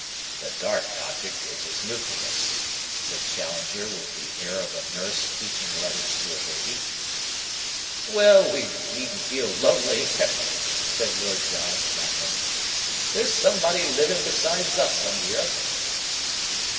"The dark object is his nucleus," said Challenger with the air of a nurse teaching letters to a baby. "Well, we needn't feel lonely," said Lord John laughing. "There's somebody livin' besides us on the earth."